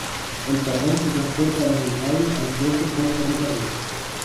El carbón se transporta desde el valle al puerto por ferrocarril.